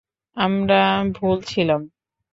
আমরা ভুল ছিলাম।